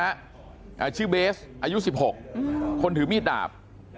ท้ายที่ถือมีดนะฮะชื่อเบสอายุสิบหกคนถือมีดดาบ